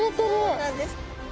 そうなんです。